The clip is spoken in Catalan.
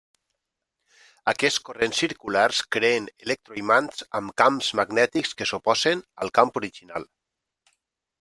Aquests corrents circulars creen electroimants amb camps magnètics que s'oposen al camp original.